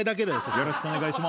よろしくお願いします。